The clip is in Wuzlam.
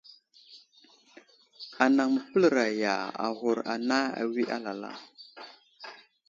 Anaŋ məpələraya aghur ana awi alala.